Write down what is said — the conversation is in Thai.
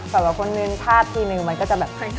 แบบว่าคนหนึ่งพลาดทีนึงมันก็จะแบบ